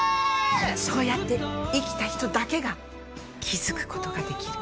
そうやって生きた人だけが気づくことができる。